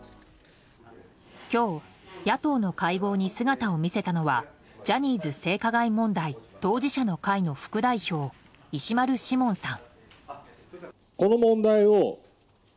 今日野党の会合に姿を見せたのはジャニーズ性加害問題当事者の会の副代表石丸志門さん。